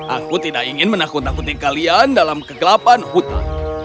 aku tidak ingin menakut takuti kalian dalam kegelapan hutan